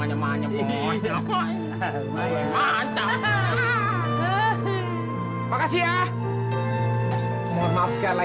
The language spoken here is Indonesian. alhamdulillah ya allah kau telah memberikan hamba mu di keturunan ya allah